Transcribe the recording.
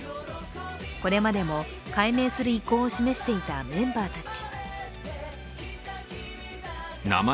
これまでも改名する意向を示していたメンバーたち。